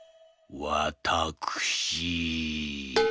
わたくしー」。